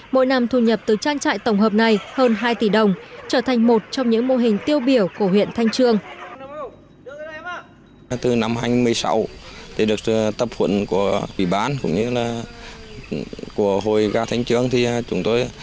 mỗi năm thu nhập từ trang trại tổng hợp này hơn hai tỷ đồng trở thành một trong những mô hình tiêu biểu của huyện thanh trương